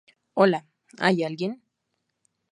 ¿ hola? ¿ hay alguien?